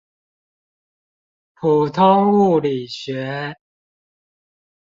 普通物理學